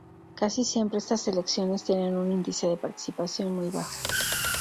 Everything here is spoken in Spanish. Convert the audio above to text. Casi siempre estas elecciones tienen un índice de participación muy bajo.